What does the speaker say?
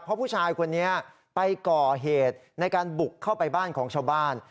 เพราะผู้ชายคนนี้ไปก่อเหตุในการบุกเข้าไปบ้านของชาวบ้าน